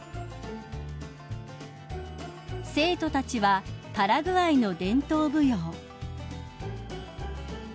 ［生徒たちはパラグアイの伝統舞踊］